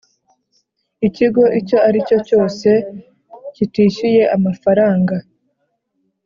Ikigo icyo ari cyo cyose kitishyuye amafaranga